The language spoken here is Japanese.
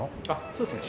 そうですね。